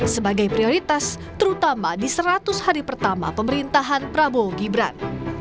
sebagai prioritas terutama di seratus hari pertama pemerintahan prabowo gibran